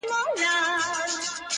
• ستا قاتل سي چي دي زړه وي په تړلی -